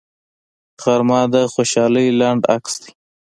غرمه د خوشحالۍ لنډ عکس دی